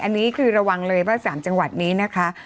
อันนี้คือระวังเลยว่า๓จังหวัดนี้นะคะ